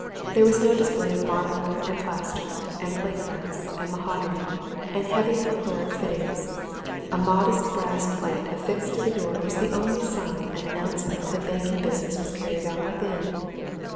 There was no display of marble and plaster and plate glass and mahogany and heavy plethoric fittings a modest brass plate affixed to the door was the only sign and announcement that banking business was carried on within.